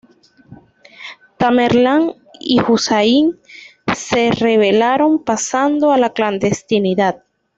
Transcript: Tamerlán y Husayn se rebelaron, pasando a la clandestinidad.